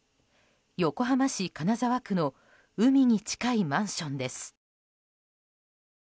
横浜市金沢区の海に近いマンションです。